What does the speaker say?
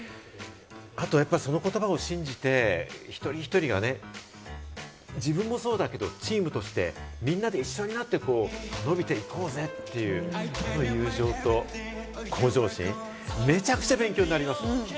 あとやっぱりその言葉を信じて、一人一人がね、自分もそうだけれどもチームとして、みんなで一緒になって伸びていこうぜっていう、友情と向上心、めちゃくちゃ勉強になります。